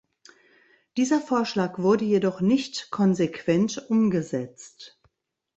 Dieser Vorschlag wurde jedoch nicht konsequent umgesetzt.